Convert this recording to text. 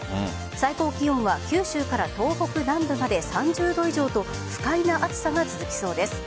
最高気温は九州から東北南部まで３０度以上と不快な暑さが続きそうです。